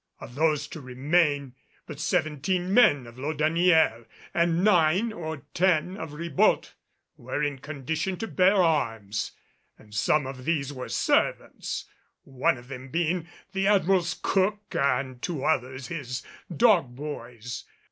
Of those to remain, but seventeen men of Laudonnière and nine or ten of Ribault were in condition to bear arms, and some of these were servants, one of them being the Admiral's cook and two others his dog boys.